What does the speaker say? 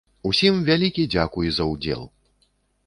Усім вялікі дзякуй за ўдзел!